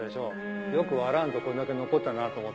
よく割らんとこれだけ残ったなと思って。